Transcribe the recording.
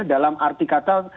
dalam arti kata